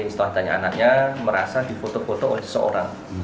setelah tanya anaknya merasa difoto foto oleh seseorang